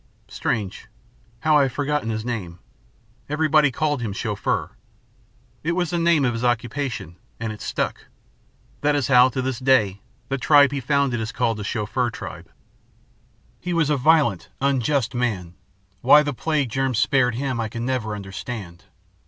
strange, how I have forgotten his name. Everybody called him Chauffeur it was the name of his occupation, and it stuck. That is how, to this day, the tribe he founded is called the Chauffeur Tribe. [Illustration: Everybody called him Chauffeur 149] "He was a violent, unjust man. Why the plague germs spared him I can never understand.